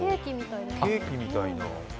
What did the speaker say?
ケーキみたいな。